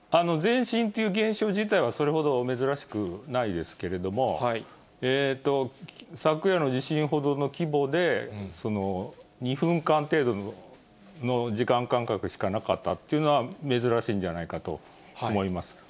前震っていう現象自体はそれほど珍しくないですけれども、昨夜の地震ほどの規模で、２分間程度の時間間隔しかなかったというのは、珍しいんじゃないかと思います。